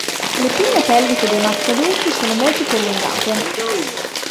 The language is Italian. Le pinne pelviche dei maschi adulti sono molto più allungate.